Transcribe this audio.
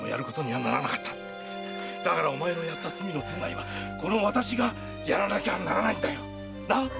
〔だからお前のやった罪の償いは私がやらなきゃならないんだ〕・